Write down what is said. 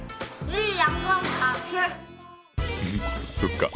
そっか。